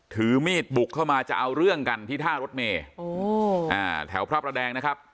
ถือมีดบุกเข้ามาจะเอาเรื่องกันที่ท่ารถเมย์แถวพระประแดงนะครับ